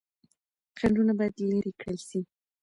خنډونه بايد لري کړل سي.